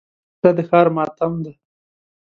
وسله د ښار ماتم ده